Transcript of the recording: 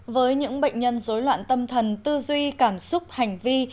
với những bệnh nhân dối loạn tâm thần tư duy cảm xúc hành vi